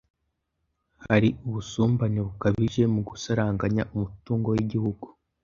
Hari ubusumbane bukabije mu gusaranganya umutungo w‟igihugu